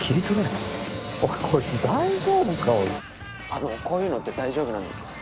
あのこういうのって大丈夫なんですか？